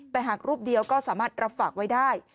แต่หากรูปเดียวก็สามารถรับฝากไว้ได้